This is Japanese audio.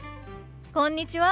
こんにちは。